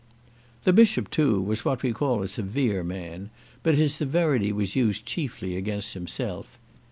The Bishop, too, was what we call a severe man; but his severity was used chiefly against himself.